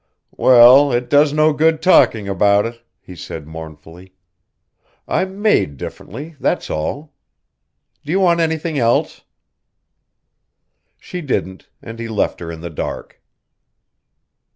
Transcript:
"Well, it does no good talking about it," he said mournfully. "I'm made differently, that's all. Do you want anything else?" She didn't, and he left her in the dark.